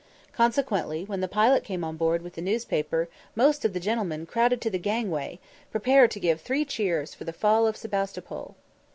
Consequently, when the pilot came on board with the newspaper, most of the gentlemen crowded to the gangway, prepared to give three cheers for the fall of Sebastopol!